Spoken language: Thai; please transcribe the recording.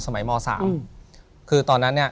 สมัยม๓คือตอนนั้น